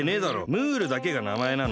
ムールだけがなまえなの。